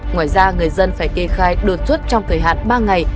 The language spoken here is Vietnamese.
ngoài ra người dân phải kê khai đột xuất trong thời hạn ba ngày